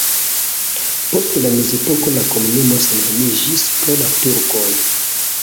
Post la mezepoko la komunumo senhomiĝis pro la turkoj.